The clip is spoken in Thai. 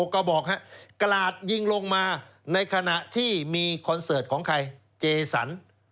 กระบอกกราดยิงลงมาในขณะที่มีคอนเสิร์ตของใครเจสัน